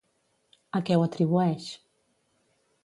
A què ho atribueix?